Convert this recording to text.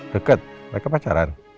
deket mereka pacaran